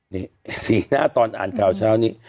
นี่สีหน้าตอนอ่านข่าวเช้านี้